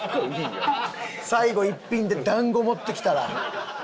最後１品で団子持ってきたら。